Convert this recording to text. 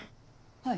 はい。